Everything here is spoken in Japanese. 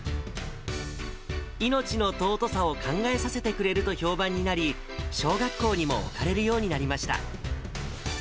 命の尊さを考えさせてくれると評判になり、小学校にも置かれるようになりました。